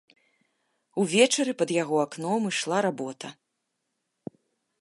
Увечары пад яго акном ішла работа.